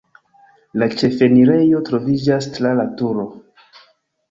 La ĉefenirejo troviĝas tra la turo.